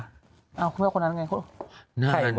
อ่าวไม่ร้าวคนอันนั่นไง